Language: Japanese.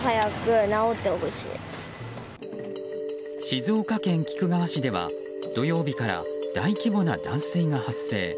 静岡県菊川市では土曜日から大規模な断水が発生。